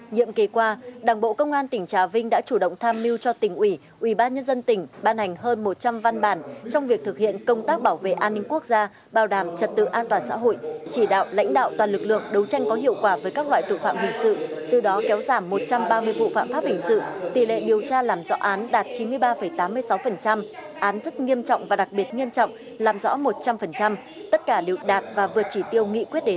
nhiệm kỳ qua đảng bộ công an tỉnh trà vinh đã chủ động tham mưu cho tỉnh ủy ủy ban nhân dân tỉnh ban hành hơn một trăm linh văn bản trong việc thực hiện công tác bảo vệ an ninh quốc gia bảo đảm trật tự an toàn xã hội chỉ đạo lãnh đạo toàn lực lượng đấu tranh có hiệu quả với các loại tụ phạm hình sự từ đó kéo giảm một trăm ba mươi vụ phạm pháp hình sự tỷ lệ điều tra làm rõ án đạt chín mươi ba tám mươi sáu án rất nghiêm trọng và đặc biệt nghiêm trọng làm rõ một trăm linh tất cả đều đạt và vượt chỉ tiêu nghị quyết đề ra